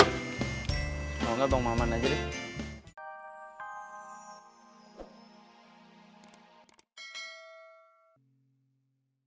tidak mau gak bang maman aja deh